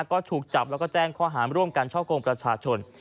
ก็ถูกจับแล้วก็แจ้งข้อหารร่วมกันช่อกงประชาชน